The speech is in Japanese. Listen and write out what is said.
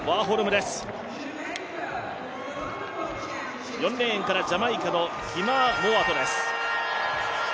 ４レーンからジャマイカのキマー・モウァトです。